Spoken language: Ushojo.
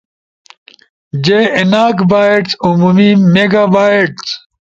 جے ایناک بائٹس، عمومی میگا بائٹس